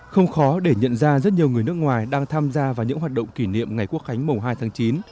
không khó để nhận ra rất nhiều người nước ngoài đang tham gia vào những hoạt động kỷ niệm ngày quốc khánh mùng hai tháng chín